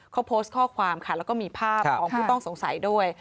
เขาโพสต์ข้อความค่ะแล้วก็มีภาพของผู้ต้องสงสัยด้วย